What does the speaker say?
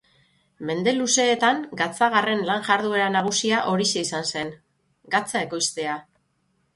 Mende luzeetan gatzagarren lan-jarduera nagusia horixe izan zen: gatza ekoiztea.